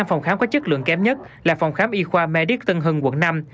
năm phòng khám có chất lượng kém nhất là phòng khám y khoa medic tân hưng quận năm